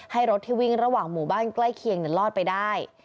ให้รถที่วิ่งระหว่างหมู่บ้านใกล้เคียงรอดไปได้